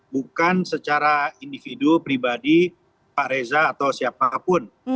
bukan secara individu pribadi pak reza atau siapapun